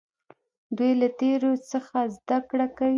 دوی له تیرو څخه زده کړه کوي.